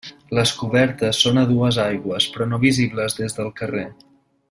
Les cobertes són a dues aigües però no visibles des del carrer.